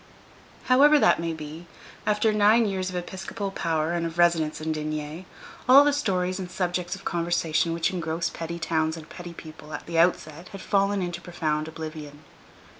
However that may be, after nine years of episcopal power and of residence in D——, all the stories and subjects of conversation which engross petty towns and petty people at the outset had fallen into profound oblivion.